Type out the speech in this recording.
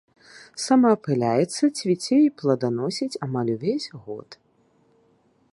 Самаапыляецца, цвіце і пладаносіць амаль увесь год.